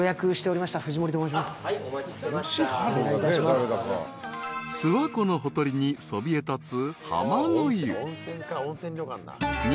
［諏訪湖のほとりにそびえ立つ］